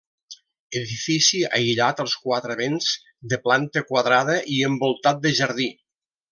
Edifici aïllat als quatre vents de planta quadrada i envoltat de jardí.